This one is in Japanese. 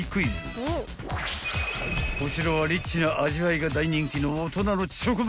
［こちらはリッチな味わいが大人気の］